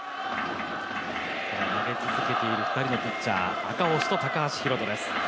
投げ続けている２人のピッチャー赤星と高橋宏斗です。